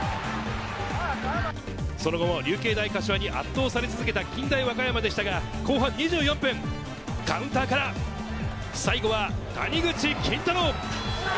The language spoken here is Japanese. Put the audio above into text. その後も流経大柏に圧倒され続けた近大和歌山でしたが、後半２４分、カウンターから最後は谷口金太郎。